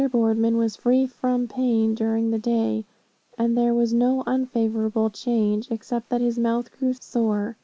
Boardman was free from pain during the day, and there was no unfavorable change, except that his mouth grew sore.